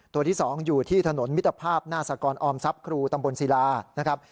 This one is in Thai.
ตัวที่๒อยู่ที่ถนนมิตรภาพหน้าสากรออมทรัพย์ครูตำบลศิลานะครับ